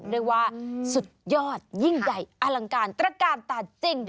เรียกว่าสุดยอดยิ่งใหญ่อลังการตระกาลตาจริง